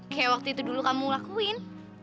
kayak waktu itu dulu kamu lakuin